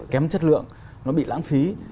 kém chất lượng nó bị lãng phí